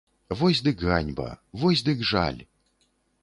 Вось дык ганьба, вось дык жаль!